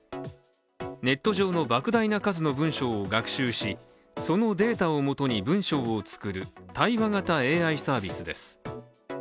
ネット上のばく大な数の文章を学習しそのデータを基に文章をつくる対話型ＡＩです。